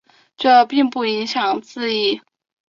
这并不影响字义。